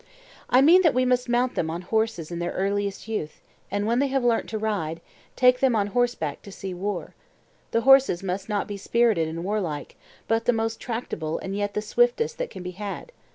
I mean that we must mount them on horses in their earliest youth, and when they have learnt to ride, take them on horseback to see war: the horses must not be spirited and warlike, but the most tractable and yet the swiftest that can be had.